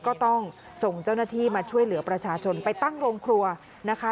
ก็ต้องส่งเจ้าหน้าที่มาช่วยเหลือประชาชนไปตั้งโรงครัวนะคะ